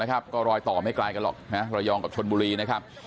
ก็รอยต่อไม่ไกลกันหรอกระยองกับชนบุรีนะครับ